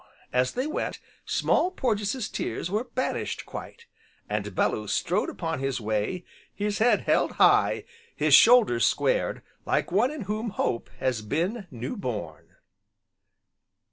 as they went Small Porges' tears were banished quite; and Bellew strode upon his way, his head held high, his shoulders squared, like one in whom Hope has been newborn.